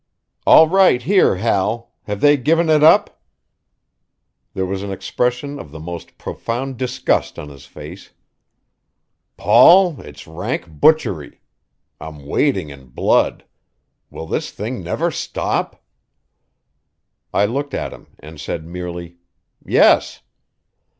"All right here, Hal: have they given it up?" There was an expression of the most profound disgust on his face. "Paul, it's rank butchery. I'm wading in blood. Will this thing never stop?" I looked at him and said merely: "Yes."